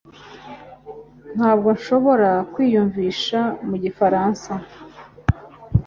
Ntabwo nshobora kwiyumvisha mu gifaransa